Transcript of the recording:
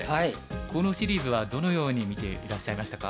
このシリーズはどのように見ていらっしゃいましたか？